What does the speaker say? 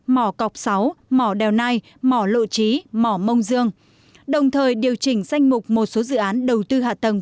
mỏ cọc sáu mỏ đèo nai mỏ lộ trí mỏ mông dương đồng thời điều chỉnh danh mục một số dự án đầu tư hạ tầng